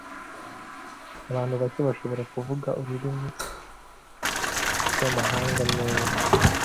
Abantu bake bashobora kuvuga ururimi rwamahanga neza.